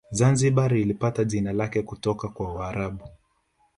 Zanzibar ilipata jina lake kutoka kwa waarabu